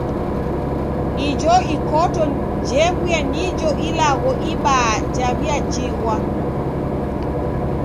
Ijo ikoto jew'uya nijo ilagho ibaa jaw'iajighwa